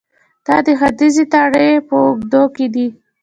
دا د ختیځې تراړې په اوږدو کې دي